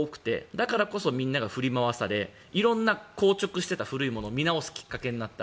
だからこそみんなが振り回され色んな硬直していたものを見直すきっかけになった。